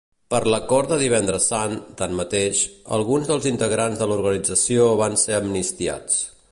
Per l'acord de Divendres Sant, tanmateix, alguns dels integrants de l'organització van ser amnistiats.